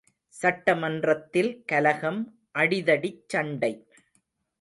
சட்டமன்றத்தில் கலகம், அடிதடிச் சண்டை!